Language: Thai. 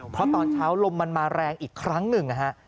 เพราะตอนเช้าลมมันมาแรงอีกครั้งหนึ่งนะฮะ